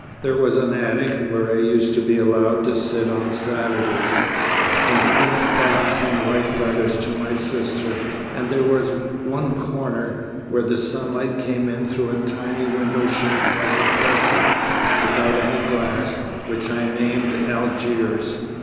There was an attic where I used to be allowed to sit on Saturdays, and think thoughts, and write letters to my sister; and there was one corner, where the sunlight came in through a tiny window shaped like a crescent, without any glass, which I named Algiers.